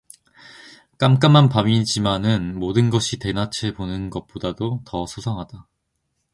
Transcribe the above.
깜깜한 밤이지마는 모든 것이 대낮에 보는 것보다도 더 소상하다.